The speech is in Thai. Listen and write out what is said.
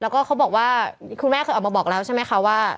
คุณแม่เคยออกมาบอกแล้วใช่มั้ยคะว่า